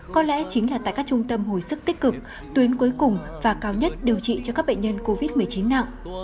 có lẽ chính là tại các trung tâm hồi sức tích cực tuyến cuối cùng và cao nhất điều trị cho các bệnh nhân covid một mươi chín nặng